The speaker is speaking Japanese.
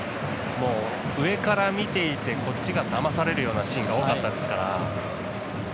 上から見ていてこっちがだまされるようなシーンが多かったですから。